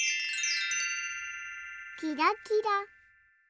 キラキラ。